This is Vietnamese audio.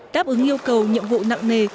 đáp ứng yêu cầu nhiệm vụ nặng nề